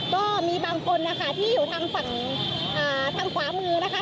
ก็มีบางคนที่อยู่ทางฝั่งขวามือนะคะ